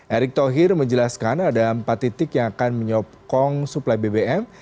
erick thohir menjelaskan ada empat titik yang akan menyokong suplai bbm